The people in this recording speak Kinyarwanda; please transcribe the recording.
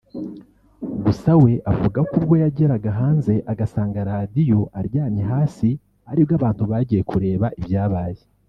Gusa we avuga ko ubwo yageraga hanze agasanga Radio aryamye hasi ari bwo abantu bagiye kureba ibyabaye